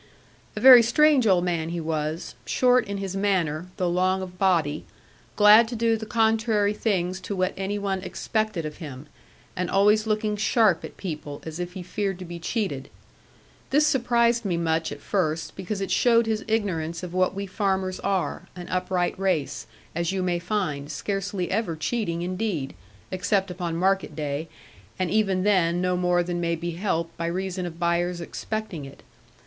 A very strange old man he was, short in his manner, though long of body, glad to do the contrary things to what any one expected of him, and always looking sharp at people, as if he feared to be cheated. This surprised me much at first, because it showed his ignorance of what we farmers are an upright race, as you may find, scarcely ever cheating indeed, except upon market day, and even then no more than may be helped by reason of buyers expecting it.